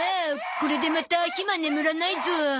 これでまたひま眠らないゾ。